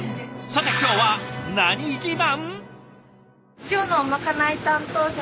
さて今日は何自慢？